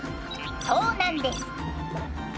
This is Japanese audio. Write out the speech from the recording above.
そうなんです。